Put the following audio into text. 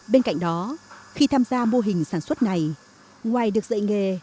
bên cạnh đó khi tham gia mô hình sản xuất này ngoài được dạy nghề